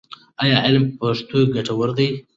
ایا علم په پښتو ګټور دی؟